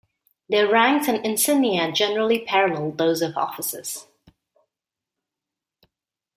Their ranks and insignia generally paralleled those of officers.